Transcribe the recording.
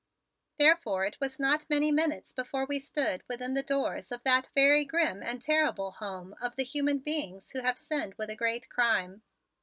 Therefore it was not many minutes before we stood within the doors of that very grim and terrible home of the human beings who have sinned with a great crime.